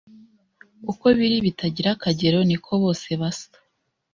uko biri bitagira akagero niko bose basa